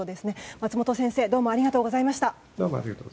松本先生ありがとうございました。